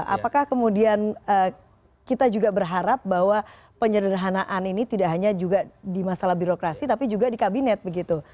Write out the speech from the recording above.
apakah kemudian kita juga berharap bahwa penyederhanaan ini tidak hanya juga di masalah birokrasi tapi juga di kabinet begitu